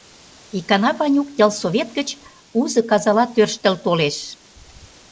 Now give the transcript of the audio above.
Икана Ванюк ялсовет гыч узо казала тӧрштыл толеш.